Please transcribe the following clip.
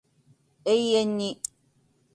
永遠に